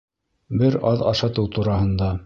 Бер аҙ ашатыу тураһында